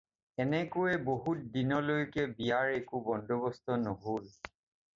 এনেকৈয়ে বহুত দিনলকৈ বিয়াৰ একো বন্দবস্ত নহ'ল।